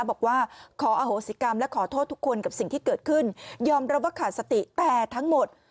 บอกว่าขออโหสิกรรมและขอโทษทุกคนกับสิ่งที่เกิดขึ้นยอมรับว่าขาดสติแต่ทั้งหมด